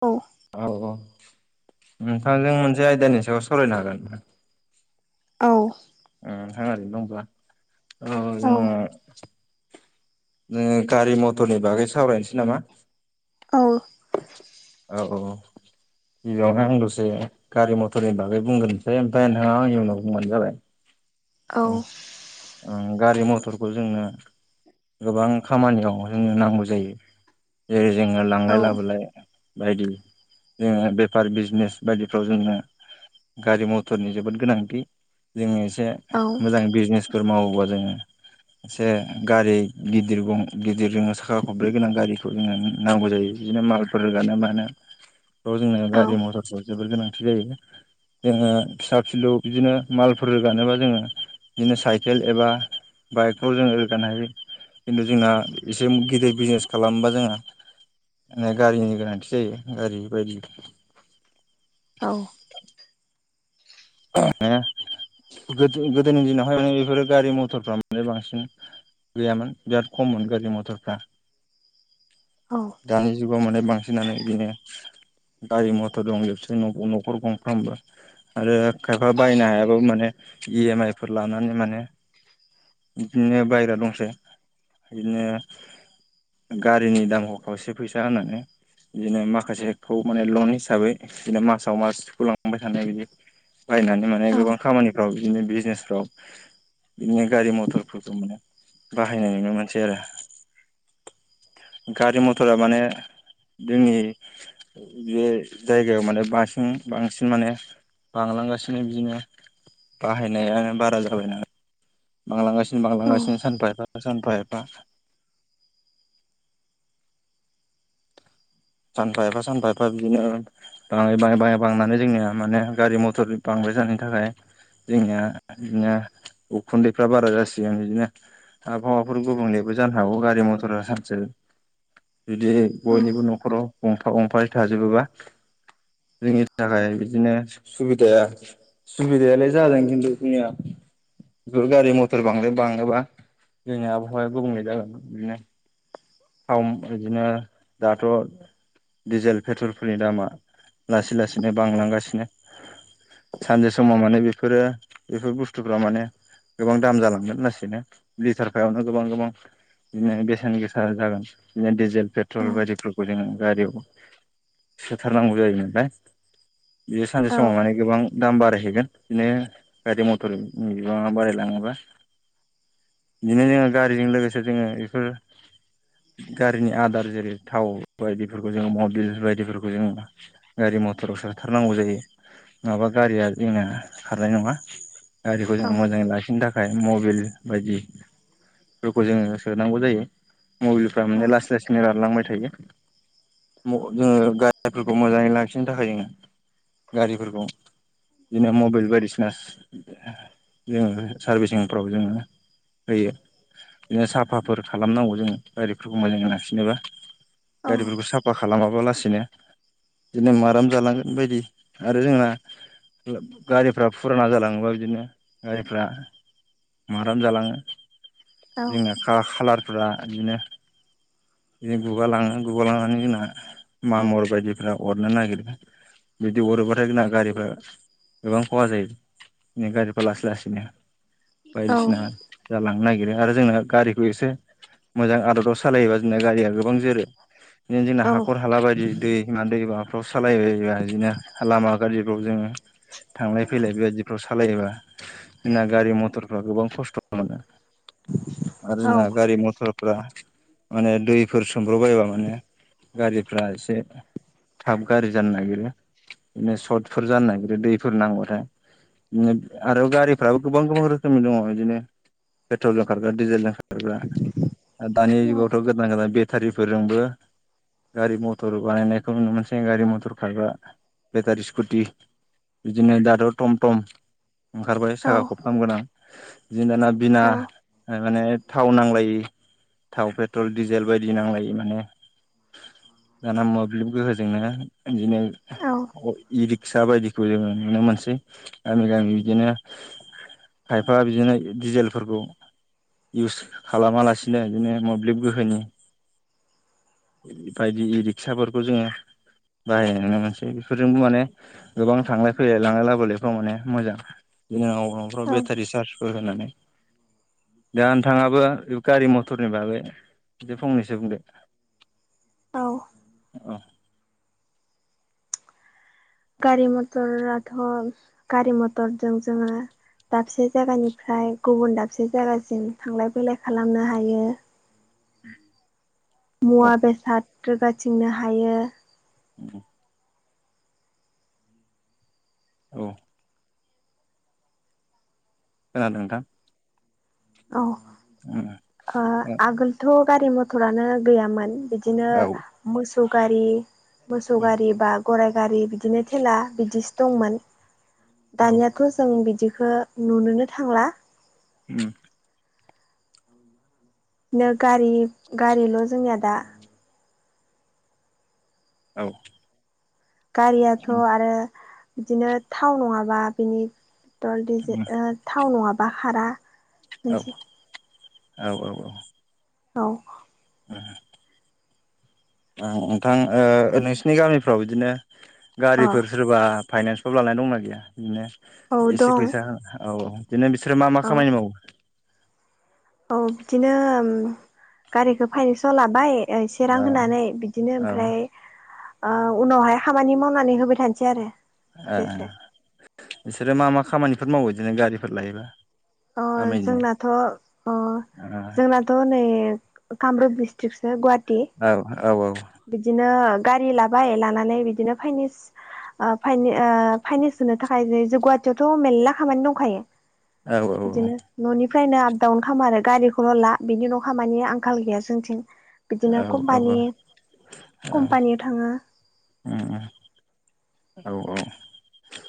औ औ औ नोंथांजों मोनसे आयदानि सायाव सावरायनो हागोन औ नोंथाङा ओरैनो दंब्ला औ औ जोङो नोङो गारि मथरनि बागै सावरायनोसै नामा औ औ औ औ गिबियावनो आं दसे गारि मथरनि बागै बुंग्रोनसै ओमफ्राय नोंथाङा आंनि उनाव बुंबानो जाबाय [inaudible] औ उम गारि मथरखौ जोंनो गोबां खामानियाव जोंनो नांगौ जायो जेरै जोंनो लांलाय लाबोलाय बायदि जोङो बेफार बिजनेस बायदिफ्राव जोंनो गारि मथरनि जोबोद गोनांथि जोङो एसे मोजां बिजनेस फोर मावोबा जोङो एसे गारि गिदिर गिदिर जोङो साखा खब्रै गोनां गारिखौ जोङो नांगौ जायो बिदिनो मालफोरोगानो मानो थ' जोंना गारि मथरफोर जोबोद गोनांथि जायो जोङो फिसा फिलौ बिदिनो मालफोर रोगानोबा जोङो बिदिनो साइकेल एबा बाइकफ्राव जों रोगानो हायो खिन्थु जोंना एसे गिदिर बिजनेस खालामोबा जोंहा माने गारिनि गोनांथि जायो गारि बायदि औ [unintelligible] गोदो गोदोनि दिनावहाय माने बेफोरो गारि मथरफ्रा माने बांसिन गैयामोन बिराद खममोन गारि मथरफ्रा दानि जुगाव माने बांसिनानो बिदिनो गारि मथर दं जोबसै न न'खर गंफ्रामबो आरो खायफा बायनो हायाबो माने इ एम आइ फोर लानानै माने बिदिनो बायग्रा दंसै बिदिनो गारिनि दामखौ खावसे फैसा होननानै बिदिनो माखासेखौ माने लन हिसाबै बिदिनो मासाव मास सुख' लांबाय थानाय बिदि बायनानै माने गोबां खामानिफ्राव बिदिनो बिजनेसफ्राव बिदिनो गारि मथरफोरखौ माने बाहायनाय नुनो मानसै आरो गारि मथरा माने जोंनि बे जायगायाव माने बासिन बांसिन माने बांलांगासिनो बिदिनो बाहायनायानो बारा जाबाय नालाय बांलांगासि बांलांगासिनो सानफा एफा सानफा एफा सानफा एफा सानफा एफा बिदिनो बाङै बाङै बाङै बांनानै जोंनिया माने गारि मथर बां द्राय जानायनि थाखाय जोंनिया बिदिनो उखुन्दैफ्रा बारा जासिगोन बिदिनो आबहावाफोर गुबुंलेबो जानो हागौ गारि मथरा सानसे जुदि बयनिबो न'खराव गंफा गंफायै थाजोबोबा जोंनि थाखाय बिदिनो सुबिदाया सुबिदायालाय जादों खिन्थु जोंनिया बेफोर गारि मथर बांद्राय बाङोबा जोंनि आबहावाया गुबुंले जागोन बिदिनो थाव बिदिनो दाथ' दिडिजेल पेट्रलफोरनि दामा लासै लासैनो बांलांगासिनो सानसे समाव माने बेफोरो बेफोर बुस्थुफ्रा माने गोबां दाम जालांगोन लासैनो लिटार फायावनो गोबां गोबां बिदिनो बेसेन गोसा जागोन बिदिनो डिजेल पेट्रल बायदिफोरखौ जोङो गारियाव सोथारनांगौ जायोमोनलाय बियो सानसे समाव माने गोबां दाम बारायहैयो। बिदिनो गारि मथर बिबाङा बारायलाङोबा बिदिनो जोङो गारिजों लोगोसे जोङो बेफोर गारिनि आदार जेरै थाव बायदिफोरखौ जों मबिल बायदिफोरखौ जों गारि मथराव ओंखारनांगौ जायो नङाबा गारिया जोंना खारनाय नङा। गारिखौ जों मोजाङै लाखिनो थाखाय थाखाय मबइल बायदिफोरखौ जोङो सोनांगौ जायो। मबाइलफ्रा माने लासै लासैनो रानलांबाय थायो। [unintelligible] जोङो गारिफोरखौ मोजाङै लाखिनो थाखाय जोङो गारिफोरखौ बिदिनो मबाइल बायदिसिना जोङो सारभिसिंफ्राव जोङो होयो बिदिनो साफाफोर खालामनांगौ जोङो। गारिफोरखौ मोजाङै लाांखिनोबा गारिफोरखौ साफा खालामाबा लासिनो बिदिनो माराम जालांगोन बायदि आरो जोंना गारिफ्रा फुराना जालाङोबा बिदिनो गारिफ्रा माराम जालाङो जोंना खालारफोरा बिदिनो बिदिनो गुगा लाङो गुगा लांनानै जोंना मामर बायदिफ्रा अरनो नागिरो। बिदि हरोबाथाय जोंना गारिफ्रा गोबां खहा जायो। गारिफ्रा लासै लासैनो औ बायदिसिना जालांनो नागिर नागिरो आरो जोंना गारिखौ एसे मोजां आदबाव सालायोबा जोंना गारिया गोबां जोरो। बिदिनो जोंना हाखर हाला बायदि दैमा दैमा फ्राव सालाय बायोबा बिदिनो लामा गाज्रिफ्राव जोङो थांलाय फैलाय बेबायदिफ्राव सालायोबा जोंना गारि मथरफ्राव गोबां खस्थ' मोनो। आरो ना गारि मथरफ्रा माने दैफोर सोमब्रब बायोबा माने गारिफ्रा एसे थाब गाज्रि जानो नागिरो बिनो सर्टफोर जानो नागिरो दैफोर नांबाथाय बि आरो गारिफ्राबो गोबां गोबां रोखोमनि दङ बिदिनो पेट्रलजों खारग्रा डिजेलजों खारग्रा दानि जुगाव गोदान गोदान बेटारिफोरजोंबो गारि मटर बानायनायखौ नुनो मोनसै गारि मटर खारग्रा बेटारि स्कुटि बिदिनो आरो टम टम ओंखारबाय साखा खबथाम गोनां बिदिनो दाना बिना माने थाव नांलायि थाव पेट्रल डिजेल बायदि नांलायि माने [inaudible] दाना मोब्लिब गोहोजोंनो बिदिनो इ रिक्सा बायदिखौ जोङो नुनो मोनसै। गामि गामि बिदिनो फाइफा बिदिनो दिजेलफोरखौ इउस खालामालासिनो बिदिनो मोब्लिब गोहोनि बेबायदि इ रिक्साफोरखौ जोङो। बाहायनाय नुनो मोनसै बेफोरजोंबो माने गोबां थांलाय फैलाय लांलाय लाबोलायफ्राव माने मोजां। बिदिनो [unintelligible] फ्राव बेटारि चार्जफोर होनानै जानो थाङाबो गारि मटरनि बागै बे फंनैसो बुंदो औ औ गारि मटराथ' गारि मटरजों जोङो दाबसे जायगानिफ्राय गुबुन दाबसे जायगासिम थांलाय फैलाय खालामनो हायो। औ मुवा बेसाद रोगाथिंनो हायो। उ [unintelligible] औ खोनादों नोंथां? औ औ ओ औ आगोलथ' गारि मथरानो गैयामोन। बिदिनो औ मोसौ गारि मोसौ गारि बा गराय गारि बिदिनो थेला बिदिनो दंमोन दानियाथ' जों बिदि खो नुनोनो थांला उम बिनो गारि गारिल' जोंनिया दा औ गारियाथ' आरो बिदिनो थाव नङाबा बिनि टल डिजे ओ थाव नङाबा खारा मोनसे औ औ औ औ [unintelligible] ओं नोंथां ओ नोंसिनि गामिफ्राव बिदिनो औ गारिफोर सोरबा फाइनान्सफ्राव लानाय दंना गैया बिदिनो औ एसे दं फैसा औ औ बिदिनो बिसोरो मा मा औ खामानि मावो। औ बिदिनो गारिखौ फाइनेसआव लाबाय ओ एसे रां औ होनानै बिदिनो औ ओमफ्राय आ उनावहाय खामानि मावनानै होबाय थानोसै आरो ए जेसे बिसोरो मा मा खामानिफोर मावो बिदिनो गारिफोर लायोबा अ गामिनि जोंनाथ' अ औ जोंनाथ' नै कामरुप डिस्ट्रिक्टसो गुवाहाटी औ औ बिदिनो गारि लाबाय लानानै बिदिनो फाइनेस ओ फाइने ओ फाइनेस सोनो थाखाय नै जो गुहाटीयावथ' मेरला खामानि दंखायो। औ औ औ फ्रायनो आप डाउन खामो आरो गारिखौल' ला बिनि उनाव' खामानि आंखाल गैया जोंथिं बिदिनो औ औ कम्पानि कम्पानियाव थाङो औ औ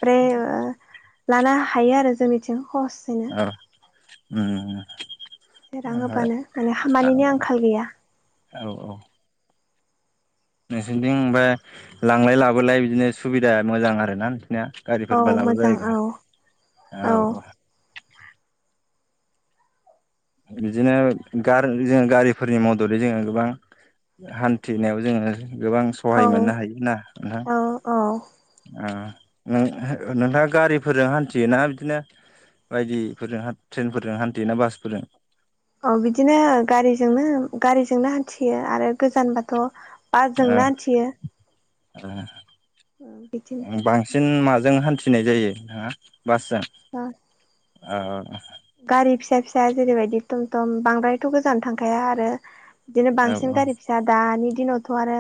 फ्राय ओ लानो हायो आरो जोंनिथिं खहसैनो उम रां होबानो माने खामानिनि आंखाल गैया। औ औ नोंसोरनिथिं ओमफाय लांलाय लाबोलाय बिदिनो सुबिदा मोजां आरोना नो औ गारिफोरबो लाबो मोजां औ बायोबा औ औ बिदिनो गार जों गारिफोरनि मददै जोङो गोबां हान्थिनायाव जोङो गोबां औ सहाय मोननो हायोना नोंथां औ औ उम नों हो नोंथाङा गारिफोरजों हान्थियोना बिदिनो बायदि फोरजों हान ट्रेनफोरजों हान्थियो ना बासफोरजों औ जोंनो हान्थियो आरो गोजानबाथ' ओ बाजजोंनो हान्थियो। बिदिनो ओ बांसिन माजों हान्थिनाय जायो। नोंथाङा बासजों दा औ गारि फिसा फिसा जेरैबायदि थम थम बांद्रायथ' गोजान थांखाया आरो बिदिनो औ बांसिन औ गारि फिसा दानि दिनावथ' आरो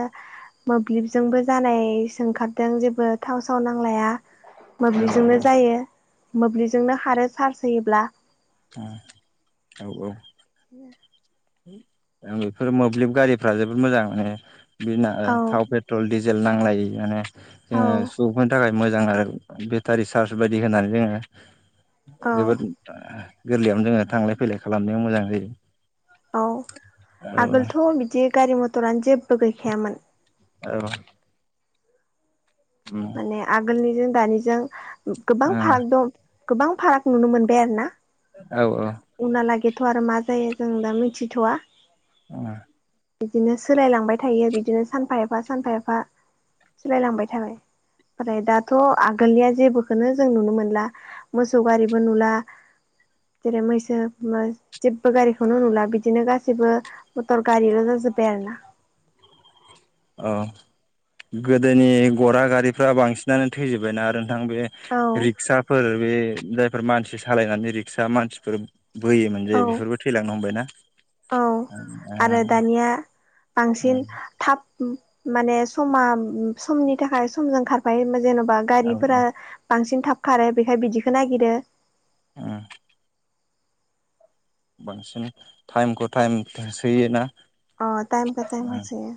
मोब्लिबजोंबो जानाय सोंखारदों जेबो थाव साव नांलाया औ मोब्लिबजोंनो जायो मोब्लिबजोंनो खारो चार्ज होयोब्ला औ औ औ [unintelligible] ओ बेफोर मोब्लिब गारिफ्रा जोबोद मोजां माने बि नो ओ औ थाव पेट्रल डिज जेल नांलायि माने औ जोङो सुबुंफोरनि थाखाय मोजां आरो बेटारि चार्ज बायदि होनानै जोङो औ जोबोद गोरलैयावनो जोङो थांलाय फैलाय खालामनायाव मोजां जायो औ औ औ आगोलथ' बिदि गारि मथरानो जेबबो गैखायामोन औ माने आगोलनिजों दानिजों गोबां पार्क दं गोबां फाराग नुनो मोनबाय आरो ना औ औ बेथ आरो मा जायो जों दा मिथिथवा अ बिदिनो सोलायलांबाय थायो बिदिनो सानफा एफा सानफा एफा सोलायलांबाय थाबाय ओमफ्राय दाथ आगोलनिया जेबोखौनो जों नुनो मोनला मोसौ गारिबो नुला जेरै मैसो जेबबो गारिखौनो नुला बिदिनो गासिबो मथर गारिल जाज जोबबाय आरो ना [inaudible] औ गोदोनि गरा गारिफ्रा बांसिनानो थैजोबबायना आरो नोंथां बे औ रिक्साफोर बे जायफोर मानसि सालायनानै रिक्सा मानसिफोर बोयोमोन जे औ बेफोरबो थैलांनो हमबायना औ आरो दानिया बांसिन थाब माने समा समनि थाखाय समजों खारफायोमो जेनबा बा गारिफोरा औ बांसिन थाब खारो बेखाय बिदिखौ नागिरो उ बांसिन टाइमखौ टाइम सोयो ना अ टाइमखौ टाइम होसोयो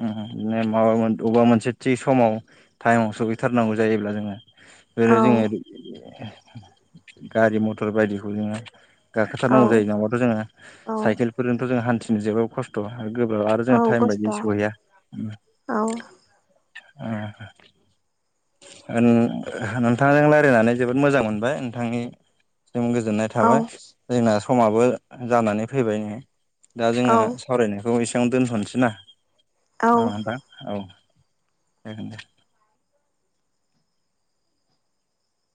ओ ओ बिदिनो माबा अबेबा मोनसे थि समाव टाइमाव सहैथारनांगौ जायोब्ला जोङो बे औ जोङो गारि मथर बायदिखौ जोङो औ गाखोथारनांगौ जायो नङाबाथ जोङो औ साइकेलफोरजोंथ‌ जों हान्थिनो जोबो खस्थ गोबाब आरो जों औ टाइम खस्थ' बायदियै सहैया औ ओ ओ नोंथांजों रायजलायनानै जोबोद मोजां मोनबाय नोंथांनि जों गोजोननाय औ थाबाय जोंना समाबो जानानै फैबाय नो दा जोङो औ सावरायनायखौ एसेबां दोनथनोसै ना औ मा होनबा जागोनदे